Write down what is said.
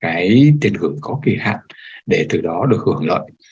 cái tiền ngưỡng có kỳ hạn để từ đó được hưởng lợi